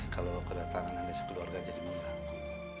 kalo kedatangan anda sekeluarga jadi mengganggu